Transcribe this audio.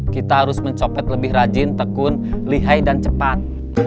kita harus mencopet lebih rajin tekun lihai dan cepat